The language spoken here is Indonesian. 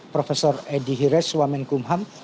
prof edi hirez suamen kumham